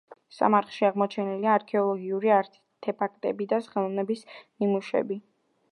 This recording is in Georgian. სამარხში აღმოჩენილია არქეოლოგიური არტეფაქტები და ხელოვნების ნიმუშები.